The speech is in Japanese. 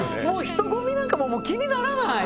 人混みなんかもう気にならない。